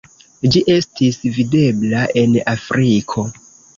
Ĝi estis videbla en Afriko.